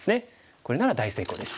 これなら大成功です。